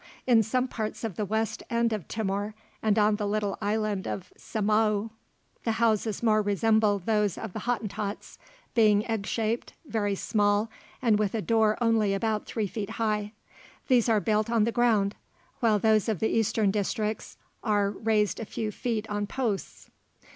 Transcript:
In some parts of the west end of Timor, and on the little island of Semau, the houses more resemble those of the Hottentots, being egg shaped, very small, and with a door only about three feet high. These are built on the ground, while those of the eastern districts art, raised a few feet on posts.